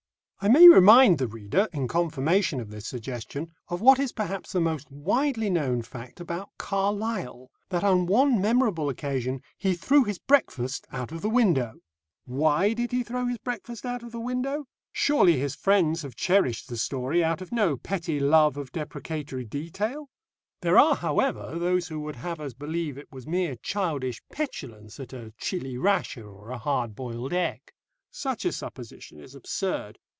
I may remind the reader, in confirmation of this suggestion, of what is perhaps the most widely known fact about Carlyle, that on one memorable occasion he threw his breakfast out of the window. Why did he throw his breakfast out of the window? Surely his friends have cherished the story out of no petty love of depreciatory detail? There are, however, those who would have us believe it was mere childish petulance at a chilly rasher or a hard boiled egg. Such a supposition is absurd.